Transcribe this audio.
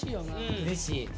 うれしい。